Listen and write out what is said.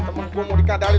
temen gua mau dikadalin